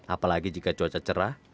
apalagi jika cuaca cerah